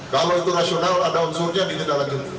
kalau itu rasional ada unsurnya ditindaklanjuti